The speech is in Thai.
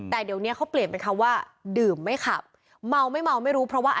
แต่เดี๋ยวนี้เขาเปลี่ยนเป็นคำว่า